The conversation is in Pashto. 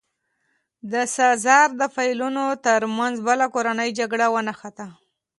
د سزار د پلویانو ترمنځ بله کورنۍ جګړه ونښته.